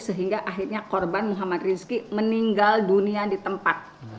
sehingga akhirnya korban muhammad rizki meninggal dunia di tempat